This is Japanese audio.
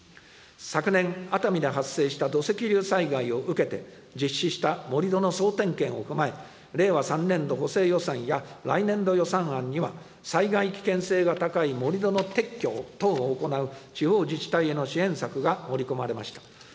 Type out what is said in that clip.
昨年、熱海で発生した土石流災害を受けて実施した盛り土の総点検を踏まえ、令和３年度補正予算や来年度予算案には、災害危険性が高い盛り土の撤去等を行う地方自治体への支援策が盛り込まれました。